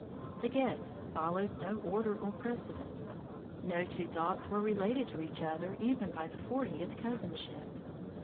The guests followed no order or precedent. No two thoughts were related to each other even by the fortieth cousinship.